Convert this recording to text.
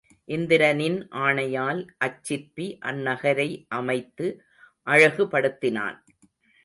இந்திரனின் ஆணையால் அச்சிற்பி அந்நகரை அமைத்து அழகு படுத்தினான்.